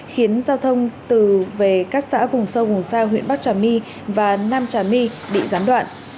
khiến giao thông từ về các xã vùng sâu vùng xa huyện bắc trả my và nam trả my bị giám đoạn